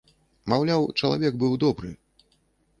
Маўляў, чалавек быў добры.